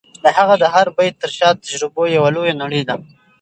د هغه د هر بیت تر شا د تجربو یوه لویه نړۍ ده.